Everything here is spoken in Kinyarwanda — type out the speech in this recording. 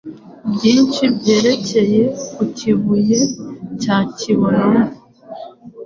byinshi byerekeye ku kibuye cya kibonumwe